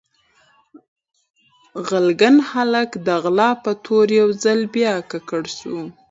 غلګن هالک د غلا په تور يو ځل بيا ککړ سو